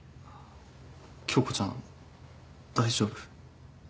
恭子ちゃん大丈夫？